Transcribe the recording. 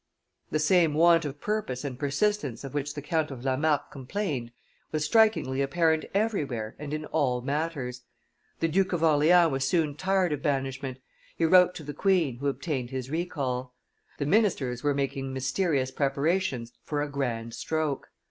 The same want of purpose and persistence of which the Count of La Marck complained was strikingly apparent everywhere and in all matters; the Duke of Orleans was soon tired of banishment; he wrote to the queen, who obtained his recall. The ministers were making mysterious preparations for a grand stroke.